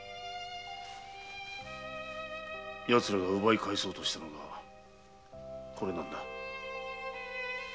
やつらが奪い返そうとしたのはこれなんだ。